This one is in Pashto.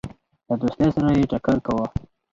د دوستی سره یې ټکر کاوه.